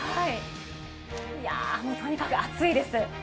とにかく暑いです。